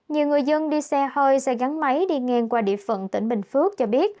nhiều người dân đi xe hơi xe gắn máy đi ngang qua địa phận tỉnh bình phước cho biết